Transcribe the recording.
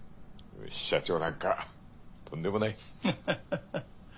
支社長なんかとんでもないです。